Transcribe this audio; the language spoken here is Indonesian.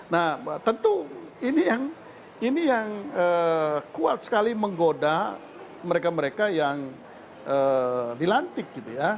nah tentu ini yang kuat sekali menggoda mereka mereka yang dilantik gitu ya